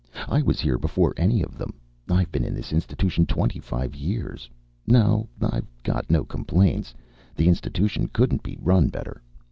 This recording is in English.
I was here before any of them. I've been in this institution twenty five years. No, I've got no complaints. The institution couldn't be run better.